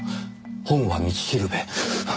本は道しるべ。